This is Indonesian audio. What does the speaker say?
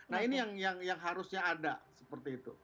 nah ini yang harusnya ada seperti itu